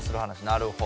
なるほど。